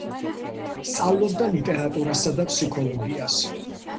სწავლობდა ლიტერატურასა და ფსიქოლოგიას.